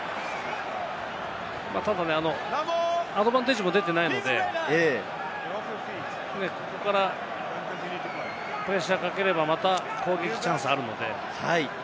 ただアドバンテージも出てないので、ここからプレッシャーをかければまた攻撃チャンスがあるので。